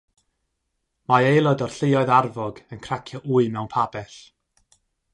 Mae aelod o'r lluoedd arfog yn cracio wy mewn pabell